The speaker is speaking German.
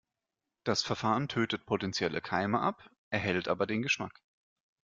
Das Verfahren tötet potenzielle Keime ab, erhält aber den Geschmack.